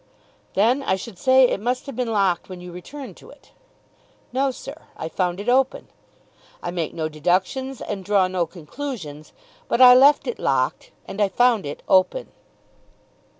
"Then I should say it must have been locked when you returned to it." "No, sir, I found it open. I make no deductions and draw no conclusions, but I left it locked and I found it open."